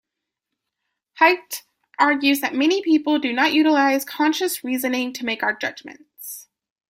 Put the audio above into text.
Haidt argues that many people do not utilize conscious reasoning to make our judgments.